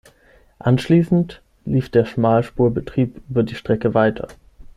Anschließend lief der Schmalspur-Betrieb über die Strecke weiter.